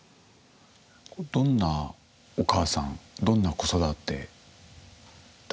どんなお母さんどんな子育てだったんですか？